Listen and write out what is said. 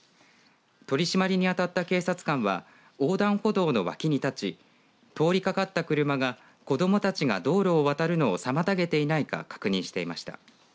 取締りに当たった警察官は横断歩道の脇に立ち通りがかった車が子どもたちが道路を渡るのを妨げていないか確認していました。